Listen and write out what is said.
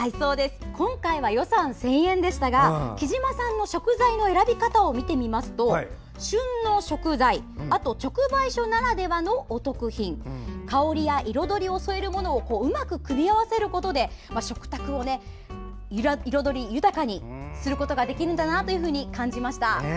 今回は予算１０００円でしたがきじまさんの食材の選び方を見てみますと旬の食材直売所ならではのお得品香りや彩りを添えるものをうまく組み合わせることで食卓を彩り豊かにすることができるんだなというふうに感じました。